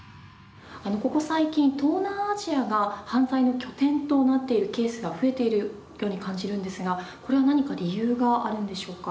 ここ最近、東南アジアが犯罪の拠点となっているケースが増えているように感じるんですがこれは何か理由があるんでしょうか？